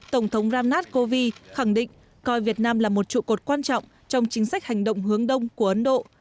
tổng thống ramnath kovi khẳng định coi việt nam là một trụ cột quan trọng trong chính sách hành động hướng đông của ấn độ